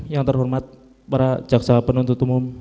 yang terhormat para jaksa penuntut umum